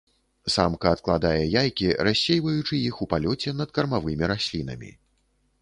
Самка адкладае яйкі рассейваючы іх у палёце над кармавымі раслінамі.